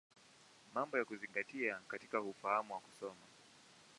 Mambo ya Kuzingatia katika Ufahamu wa Kusoma.